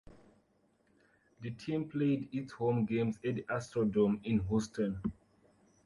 The team played its home games at the Astrodome in Houston